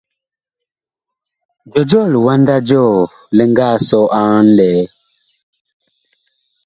Jɔjɔɔ liwanda jɔɔ li nga sɔ a ŋlɛɛ ?